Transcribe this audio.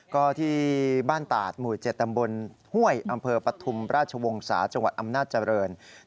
ก็ที่บ้านตาดหมู่๗ตำบลห้วยอำเภอปฐุมราชวงศาจังหวัดอำนาจเจริญ